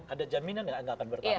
ada jaminan ya nggak akan bertambah